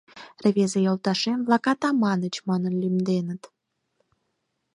Рвезе йолташем-влак Атаманыч манын лӱмденыт.